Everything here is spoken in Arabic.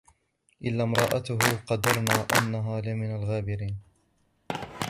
إلا امرأته قدرنا إنها لمن الغابرين